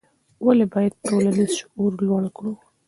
ولې باید ټولنیز شعور لوړ کړو؟